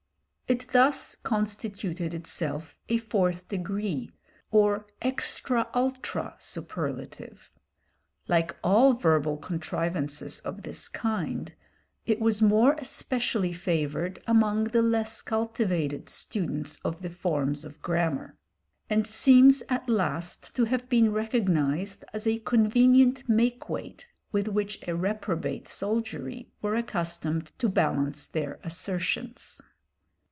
It thus constituted itself a fourth degree, or extra ultra superlative. Like all verbal contrivances of this kind, it was more especially favoured among the less cultivated students of the forms of grammar, and seems at last to have become recognised as a convenient make weight with which a reprobate soldiery were accustomed to balance their assertions.